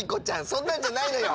そんなんじゃないのよ。